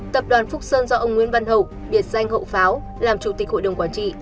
tập đoàn phúc sơn do ông nguyễn văn hậu biệt danh hậu pháo làm chủ tịch hội đồng quản trị